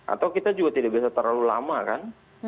atau kita juga tidak bisa terlalu lama kan